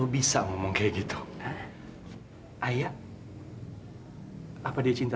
berikutnya titik lima